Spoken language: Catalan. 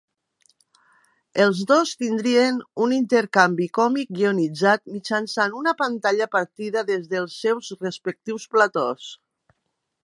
Els dos tindrien un intercanvi còmic guionitzat mitjançant una pantalla partida des dels seus respectius platós.